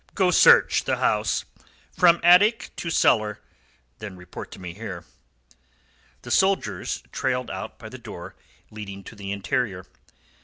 "Go search the house, from attic to cellar; then report to me here." The soldiers trailed out by the door leading to the interior. Mr.